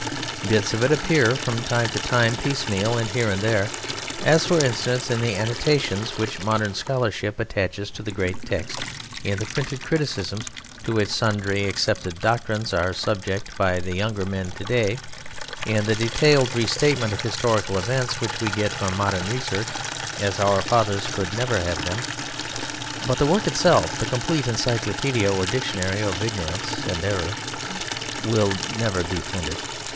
Bits of it appear from time to time piecemeal and here and there, as for instance in the annotations which modern scholarship attaches to the great text, in the printed criticisms to which sundry accepted doctrines are subjected by the younger men to day, in the detailed restatement of historical events which we get from modern research as our fathers could never have them but the work itself, the complete Encyclopaedia or Dictionary of Ignorance and Error, will never be printed.